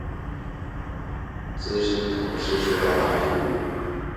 資深同事睡到打呼